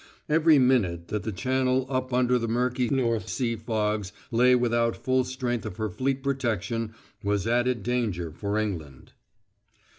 Every minute that the Channel up under the murky North Sea fogs lay without full strength of her fleet protection was added danger for England.